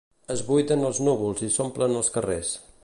Es buiden els núvols i s'omplen els carrers.